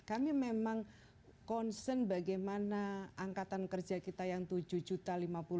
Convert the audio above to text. kami memang concern bagaimana angkatan kerja kita yang tujuh juta lima puluh